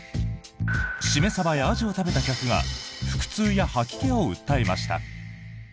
シメサバやアジを食べた客が腹痛や吐き気を訴えました。